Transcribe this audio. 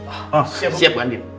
oh siap mbak andien